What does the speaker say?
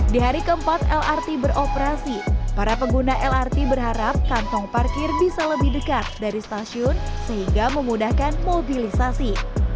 di hari keempat lrt beroperasi para pengguna lrt berharap kantong parkir bisa lebih dekat dari stasiun sehingga memudahkan mobilisasi